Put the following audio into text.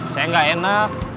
saya gak enak